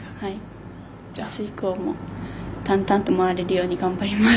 あす以降も淡々と回れるように頑張ります。